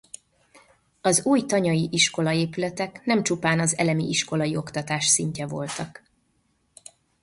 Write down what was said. Az új tanyai iskola épületek nem csupán az elemi iskolai oktatás szintje voltak.